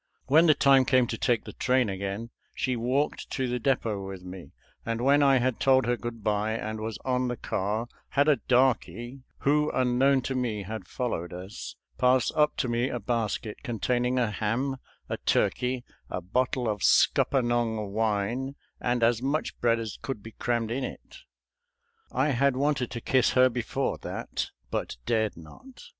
When the time came to take the train again, she walked to the depot with me, and when I had told her good by and was on the car, had a darky, who unknown to me had followed us, pass up to me a basket containing a ham, a turkey, a bottle of scuppernong wine, and as much bread as could be crammed in it. I had wanted to kiss her before that, but dared not.